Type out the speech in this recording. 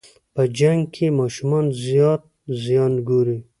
په جنګ کې ماشومان زیات زیان ګوري.